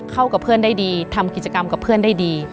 เข้ากับเพื่อนได้ดีทำกิจกรรมกับเพื่อนได้ดี